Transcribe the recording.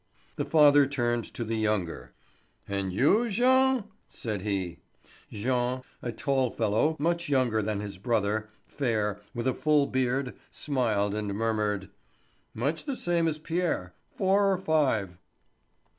The father turned to the younger. "And you, Jean?" said he. Jean, a tall fellow, much younger than his brother, fair, with a full beard, smiled and murmured: "Much the same as Pierre—four or five."